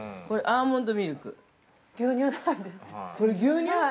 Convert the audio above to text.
これアーモンドミルク？